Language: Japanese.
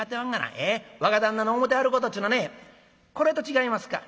若旦那の思てはることちゅうのはねこれと違いますか？」。